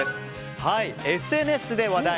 ＳＮＳで話題！